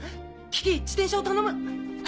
キキ自転車を頼む。